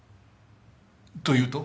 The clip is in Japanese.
というと？